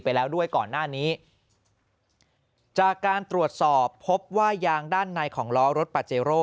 ไปแล้วด้วยก่อนหน้านี้จากการตรวจสอบพบว่ายางด้านในของล้อรถปาเจโร่